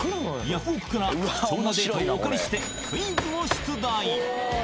ヤフオク！から貴重なデータをお借りしてクイズを出題